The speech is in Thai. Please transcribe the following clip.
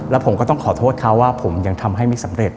แล้วผมก็ต้องขอโทษเขาว่าผมยังทำให้ไม่สำเร็จ